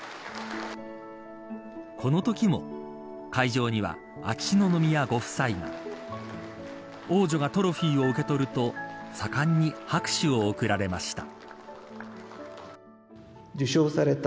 このときも、会場には秋篠宮ご夫妻王女がトロフィーを受け取ると盛んに拍手を送られました。